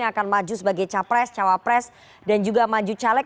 yang akan maju sebagai capres cawapres dan juga maju caleg